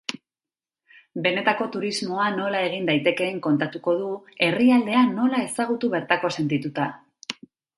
Benetako turismoa nola egin daitekeen kontatuko du, herrialdea nola ezagutu bertako sentituta.